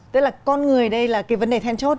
tức là con người đây là cái vấn đề then chốt